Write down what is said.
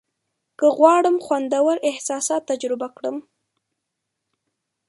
که غواړم خوندور احساسات تجربه کړم.